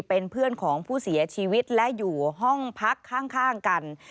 เป็นเพื่อนของผู้เสียชีวิตและอยู่ห้องพักข้างกัน